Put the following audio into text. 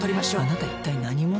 あなた一体何者？